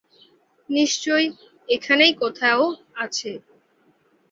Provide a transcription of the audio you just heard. নিশ্চয় এখানেই কোথাও আছে।